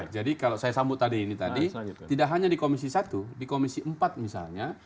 jadi kalau saya sambut tadi ini tadi tidak hanya di komisi satu di komisi empat misalnya